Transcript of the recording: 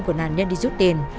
của nạn nhân đi rút tiền